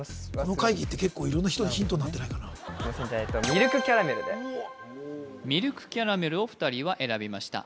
この会議って結構色んな人にヒントになってないかなミルクキャラメルを２人は選びました